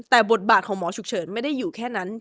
แต่บทบาทของหมอฉุกเฉินไม่ได้อยู่แค่นั้น